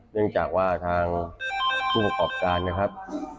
เนื่องจากว่าทางผู้ประกอบการนะครับ